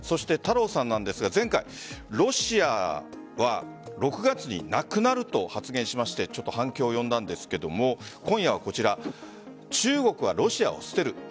太郎さんなんですが前回、ロシアは６月になくなると発言しまして反響を呼んだんですが今夜はこちら中国はロシアを捨てる。